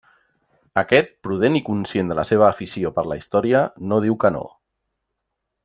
Aquest, prudent i conscient de la seva afició per la història, no diu que no.